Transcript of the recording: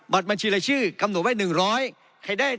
บัตรบัญชีและชื่อคำนวณไว้๑๐๐